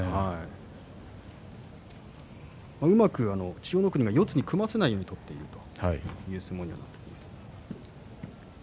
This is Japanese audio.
うまく千代の国が四つに組ませないような相撲になっています。